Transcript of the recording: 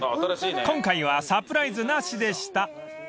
［今回はサプライズなしでした］